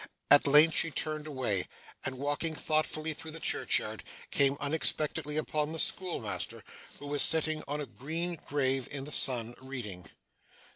At length she turned away, and walking thoughtfully through the churchyard, came unexpectedly upon the schoolmaster, who was sitting on a green grave in the sun, reading.